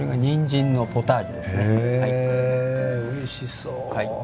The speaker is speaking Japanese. へえおいしそう。